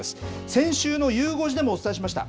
先週のゆう５時でもお伝えしました。